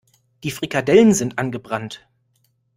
Die Frikadellen sind angebrannt.